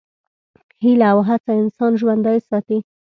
هیله او هڅه انسان ژوندی ساتي.